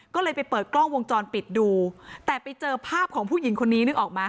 ก็เลยไปเปิดกล้องวงจรปิดดูแต่ไปเจอภาพของผู้หญิงคนนี้นึกออกไหม